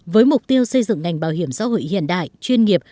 với mục tiêu xây dựng ngành bảo hiểm xã hội hiện đại chuyên nghiệp